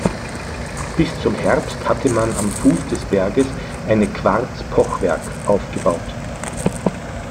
Bis zum Herbst hatte man am Fuß des Berges eine Quarz-Pochwerk aufgebaut.